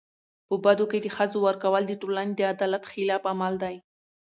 په بدو کي د ښځو ورکول د ټولني د عدالت خلاف عمل دی.